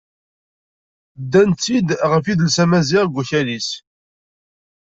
Ddan-tt-id ɣef yidles amaziɣ deg akal-is.